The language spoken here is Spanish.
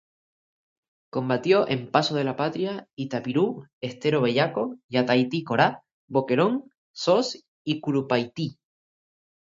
Combatió en Paso de la Patria, Itapirú, Estero Bellaco, Yataití-Corá, Boquerón, Sauce y Curupaytí.